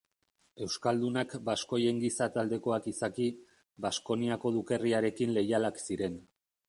Euskaldunak baskoien giza taldekoak izaki, Baskoniako dukerriarekin leialak ziren.